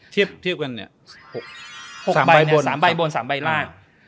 เทียบกันเนี่ย๓ใบบน๓ใบล่าง